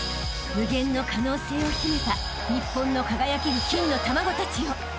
［無限の可能性を秘めた日本の輝ける金の卵たちよ］